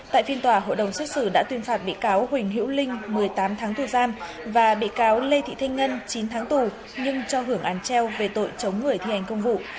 tại phiên tòa hội đồng xét xử đã tuyên phạt bị cáo huỳnh hữu linh một mươi tám tháng tù giam và bị cáo lê thị thanh ngân chín tháng tù nhưng cho hưởng án treo về tội chống người thi hành công vụ